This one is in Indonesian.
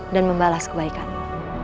dan membalas kebaikanmu